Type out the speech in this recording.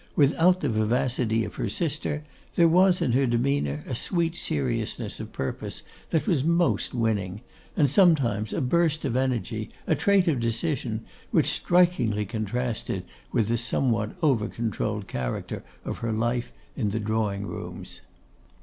Without the vivacity of her sister, there was in her demeanour a sweet seriousness of purpose that was most winning; and sometimes a burst of energy, a trait of decision, which strikingly contrasted with the somewhat over controlled character of her life in drawing rooms.